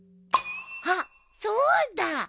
あっそうだ。